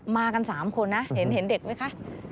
มากัน๓คนนะเห็นเด็กไหมคะ